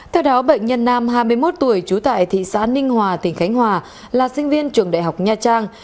theo đó bệnh nhân nam hai mươi một tuổi trú tại thị xã ninh hòa tỉnh khánh hòa là sinh viên trường đại học nha trang